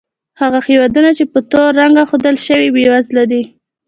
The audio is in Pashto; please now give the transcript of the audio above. هغه هېوادونه چې په تور رنګ ښودل شوي، بېوزله دي.